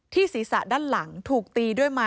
ที่สหรือส่อคครังขวา